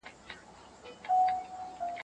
کې وړئ نو زه به پرې ټيکری شم بيا راونه خاندې